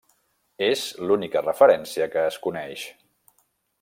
És l'única referència que es coneix.